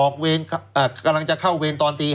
กำลังจะเข้าเวรตอนตี